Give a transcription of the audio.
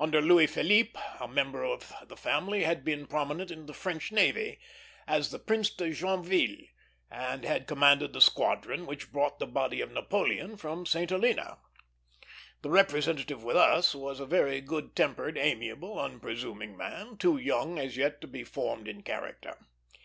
Under Louis Philippe, a member of the family had been prominent in the French navy, as the Prince de Joinville; and had commanded the squadron which brought back the body of Napoleon from St. Helena. The representative with us was a very good tempered, amiable, unpresuming man, too young as yet to be formed in character.